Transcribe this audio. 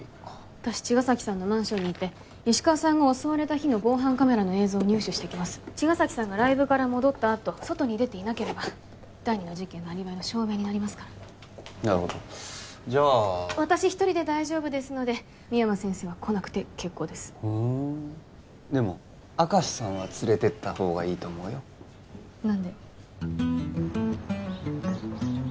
私茅ヶ崎さんのマンションに行って石川さんが襲われた日の防犯カメラの映像を入手してきます茅ヶ崎さんがライブから戻ったあと外に出ていなければ第２の事件のアリバイの証明になりますからなるほどじゃあ私一人で大丈夫ですので深山先生は来なくて結構ですふんでも明石さんは連れてったほうがいいと思うよ何で？